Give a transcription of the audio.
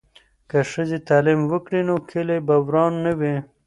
که ښځې تعلیم وکړي نو کلي به وران نه وي.